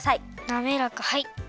なめらかはい。